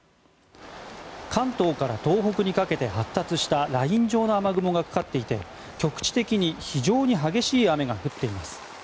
関東から東北にかけて発達したライン状の雨雲がかかっていて局地的に非常に激しい雨降っています。